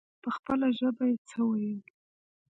په خپله ژبه يې څه ويل.